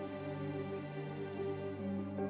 aku mau makan